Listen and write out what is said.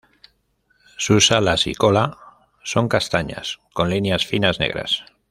Sus alas y cola son castañas con líneas finas negras.